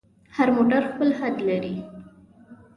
هر موټر خپل حد لري.